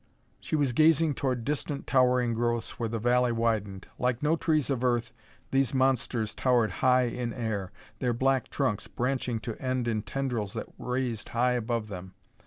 She was gazing toward distant towering growths where the valley widened. Like no trees of Earth, these monsters towered high in air, their black trunks branching to end in tendrils that raised high above them.